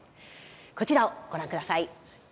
こちらをご覧ください。